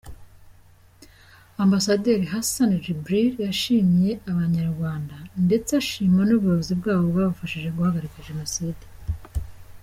Ambasaderi Hassan Djibril yashimye Abanyarwanda, ndetse ashima n’ubuyobozi bwabo bwabashije guhagarika Jenoside.